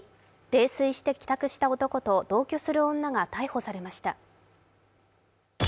泥酔して帰宅した男と同居する女が逮捕されました。